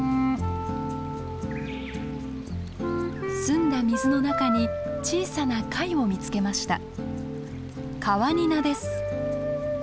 澄んだ水の中に小さな貝を見つけました。